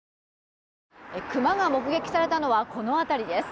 クマが目撃されたのはこの辺りです。